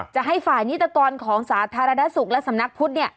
จะให้ฝ่ายนิตกรของสาธารณสุขและสำนักพุทธ